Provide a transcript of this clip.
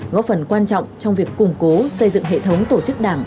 góp phần quan trọng trong việc củng cố xây dựng hệ thống tổ chức đảng